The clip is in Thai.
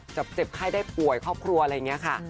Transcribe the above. เจ็บไข้ได้ป่วยครอบครัวอะไรอย่างนี้ค่ะ